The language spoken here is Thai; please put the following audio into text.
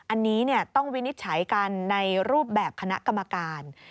อันนี้ต้องวินิจฉัยกันในรูปแบบคณะกรรมการ